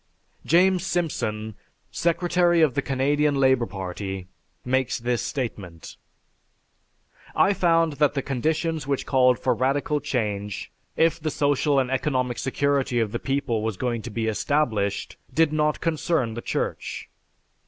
James Simpson, secretary of the Canadian Labor Party, makes this statement: "I found that the conditions which called for radical change if the social and economic security of the people was going to be established did not concern the Church.